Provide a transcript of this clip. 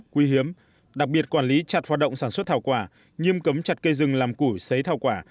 quý hiếm đặc biệt quản lý chặt hoạt động sản xuất thảo quả nghiêm cấm chặt cây rừng làm củi xấy thảo quả